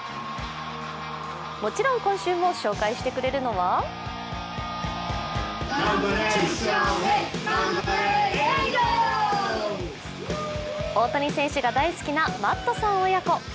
もちろん今週も紹介してくれるのは大谷選手が大好きなマットさん親子。